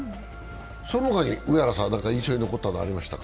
そのほかに上原さん、印象に残ったのはありましたか？